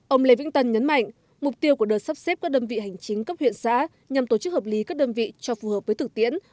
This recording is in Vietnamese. ông lê vĩnh tân nhấn mạnh mục tiêu của đợt sắp xếp các đơn vị hành chính cấp huyện xã nhằm tổ chức hợp lý các đơn vị cho phù hợp với thực tiễn